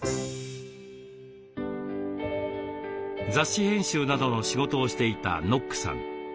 雑誌編集などの仕事をしていたノックさん。